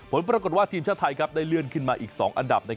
ผลปรากฏว่าทีมชาติไทยได้เลื่อนขึ้นมาอีก๒อันดับ